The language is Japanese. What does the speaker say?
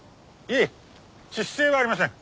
いえ致死性はありません。